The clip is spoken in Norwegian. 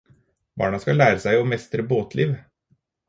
Barna skal lære seg å mestre båtliv.